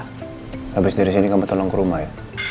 habis dari sini kamu tolong ke rumah ya